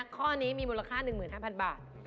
ข้อนี้มีมูลค่า๑๕๐๐บาท